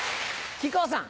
木久扇さん。